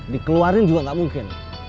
dikeluarin juga gak mungkin